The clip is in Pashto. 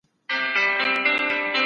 سازمانونه کله د اتباعو ساتنه کوي؟